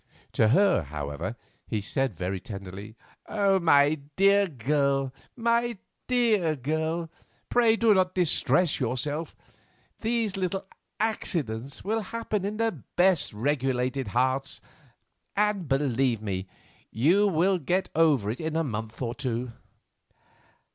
To her, however, he said very tenderly, "My dear girl, my dear girl, pray do not distress yourself. These little accidents will happen in the best regulated hearts, and believe me, you will get over it in a month or two."